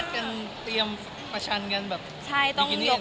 นัดกันเตรียมประชันกันแบบบิกินี่